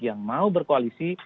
yang mau berkoalisi